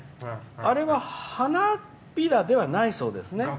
あれは花びらではないそうですね。